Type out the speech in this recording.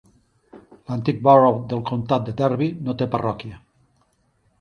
L'antic Borough del comtat de Derby no té parròquia.